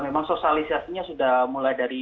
memang sosialisasinya sudah mulai dari